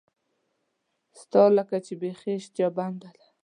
ستا لکه چې بیخي اشتها بنده ده.